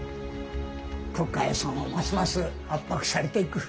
国家予算はますます圧迫されていく。